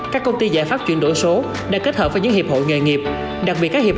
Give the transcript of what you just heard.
các công ty giải pháp chuyển đổi số đã kết hợp với những hiệp hội nghề nghiệp đặc biệt các hiệp